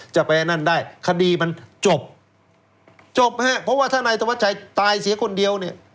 ไปนั่นได้คดีมันจบจบฮะเพราะว่าถ้านายธวัชชัยตายเสียคนเดียวเนี่ย